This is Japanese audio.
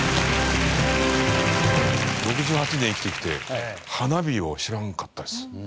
６８年生きてきて花火を知らんかったです。